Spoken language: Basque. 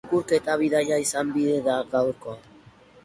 Irakurketa bidaia izan bide da gaurkoa.